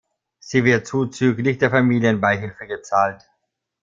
Sie wird zuzüglich der Familienbeihilfe gezahlt.